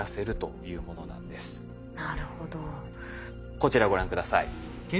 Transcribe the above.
こちらをご覧下さい。